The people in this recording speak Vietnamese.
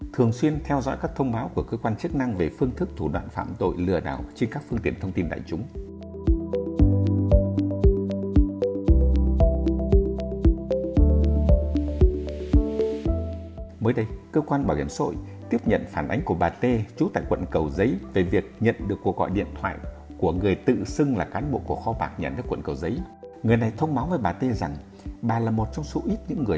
thường xuyên theo dõi các thông báo của cơ quan chức năng về phương thức thủ đoạn phạm tội lừa đảo trên các phương tiện thông tin đại chúng